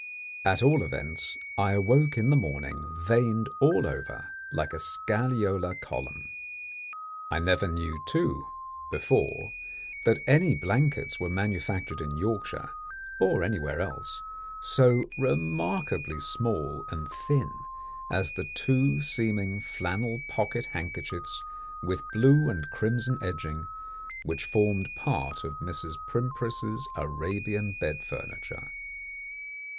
At all events I awoke in the morning veined all over like a scagliola column. I never knew, too, before, that any blankets were manufactured in Yorkshire, or elsewhere, so remarkably small and thin as the two seeming flannel pocket handkerchiefs with blue and crimson edging, which formed part of Mrs. Primpris's Arabian bed furniture.